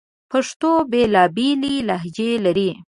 پښتو بیلابیلي لهجې لري